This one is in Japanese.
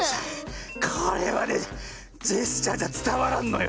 これはねジェスチャーじゃつたわらんのよ。